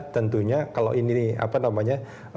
tentunya kalau ini apa namanya